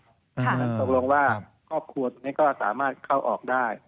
เพราะฉะนั้นตกลงว่าครอบครัวตรงนี้ก็สามารถเข้าออกได้